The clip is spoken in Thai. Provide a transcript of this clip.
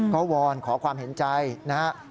ก็วอนขอความเห็นใจนะฮะ